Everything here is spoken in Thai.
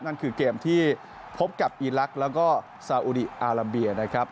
นั่นคือเกมที่พบกับอีลักษณ์แล้วก็ซาอุดีอาราเบียนะครับ